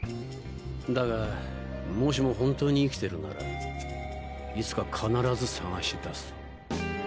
だがもしも本当に生きてるならいつか必ず探し出す。